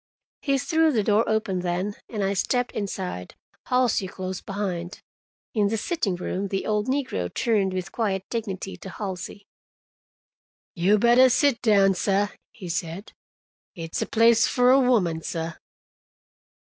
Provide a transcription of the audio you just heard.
He threw the door open then, and I stepped inside, Halsey close behind. In the sitting room the old negro turned with quiet dignity to Halsey. "You bettah sit down, sah," he said. "It's a place for a woman, sah."